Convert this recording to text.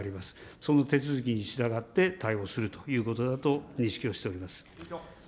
その手続きに従って対応するということだと認識をしております。